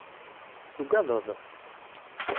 Tuggadeḍ?